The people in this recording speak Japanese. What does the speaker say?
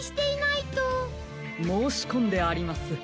もうしこんであります。